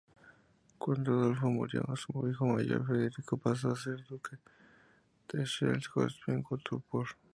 Cuando Adolfo murió, su hijo mayor, Federico, pasó a ser duque de Schleswig-Holstein-Gottorp.